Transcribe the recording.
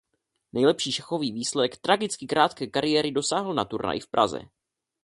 Nejlepší šachový výsledek tragicky krátké kariéry dosáhl na turnaji v Praze.